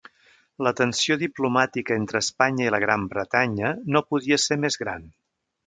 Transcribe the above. La tensió diplomàtica entre Espanya i la Gran Bretanya no podia ser més gran.